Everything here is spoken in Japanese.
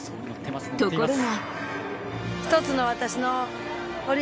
ところが。